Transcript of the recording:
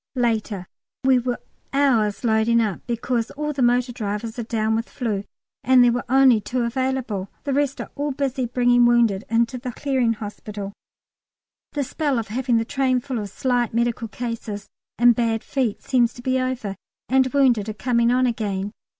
Later. We were hours loading up because all the motor drivers are down with flu, and there were only two available. The rest are all busy bringing wounded in to the Clearing Hospital. The spell of having the train full of slight medical cases and bad feet seems to be over, and wounded are coming on again.